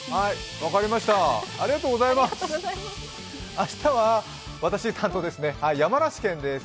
明日は私が担当ですね、山梨県です。